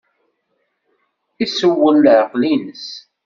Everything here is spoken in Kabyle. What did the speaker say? Isewwel leɛqel-nnes.